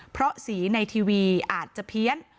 เพราะสีในทีวีอาจจะเพี้ยน